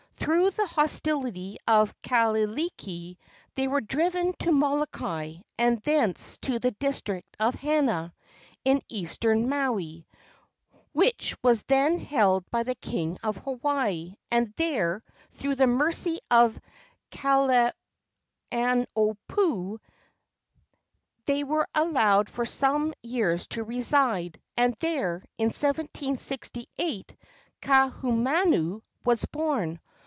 Through the hostility of Kahekili they were driven to Molokai, and thence to the district of Hana, in eastern Maui, which was then held by the king of Hawaii, and there, through the mercy of Kalaniopuu, they were allowed for some years to reside; and there, in 1768, Kaahumanu was born.